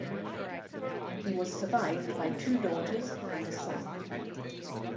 He was survived by two daughters and a son.